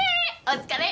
お疲れ！